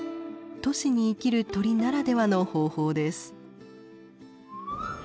都市に生きる鳥ならではの方法です。